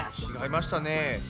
ちがいましたね。